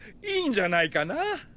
いいんじゃないかな。